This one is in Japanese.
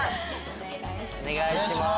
お願いします。